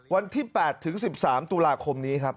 วันที่๘ถึง๑๓ตุลาคมนี้ครับ